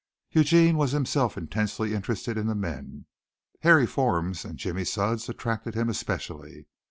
Eugene was himself intensely interested in the men. Harry Fornes and Jimmy Sudds attracted him especially.